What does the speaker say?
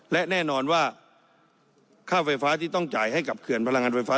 และแน่นอนว่าค่าไฟฟ้าที่ต้องจ่ายให้กับเขื่อนพลังงานไฟฟ้า